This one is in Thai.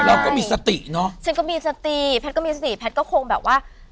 เราก็มีสติเนอะฉันก็มีสติแพทย์ก็มีสติแพทย์ก็คงแบบว่า